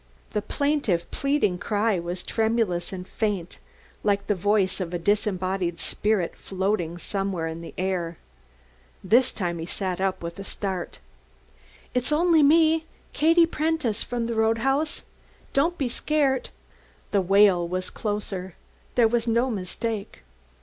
The plaintive pleading cry was tremulous and faint like the voice of a disembodied spirit floating somewhere in the air. This time he sat up with a start. "It's only me Katie Prentice, from the Roadhouse. Don't be scart." The wail was closer. There was no mistake.